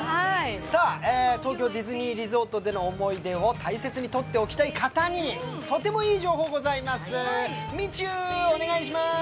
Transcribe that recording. さあ、東京ディズニーリゾートでの思い出を大切にとっておきたい方にとてもいい情報がございます。